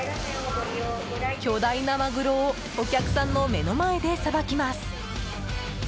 巨大なマグロをお客さんの目の前でさばきます。